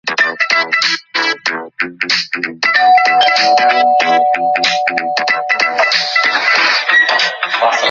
তিনি কালেভদ্রে বোলিং করেছেন।